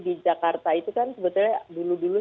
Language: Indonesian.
di jakarta itu kan sebetulnya dulu dulu